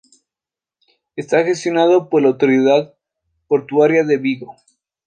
Está gestionado por la autoridad portuaria de Vigo.